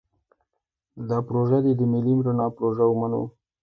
دا پروژه دې د ملي رڼا پروژه ومنو.